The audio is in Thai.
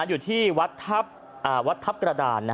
อยู่ที่วัดทัพกระดาน